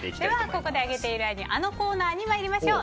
ここで揚げている間にあのコーナーに参りましょう。